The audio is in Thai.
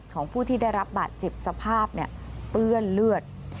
ของผู้ที่ได้รับบาดเจ็บสภาพเปื้อนเลือด